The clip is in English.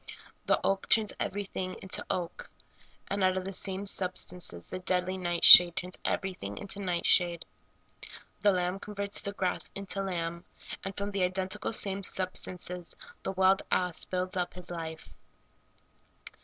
The oak turns everything into oak, and out of the same substances the deadly night shade turns everything into nightshade. The lamb converts the grass into lamb, and from the identical same substances the wild ass builds up his life.